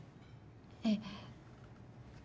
ええ。